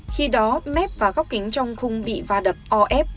khi đó mét và góc kính trong khung bị va đập o ép